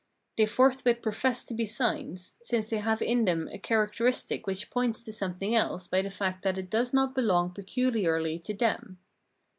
They forthwith profess to be signs, since they have in them a characteristic which points to something else by the fact that it does not belong pecuharly to them.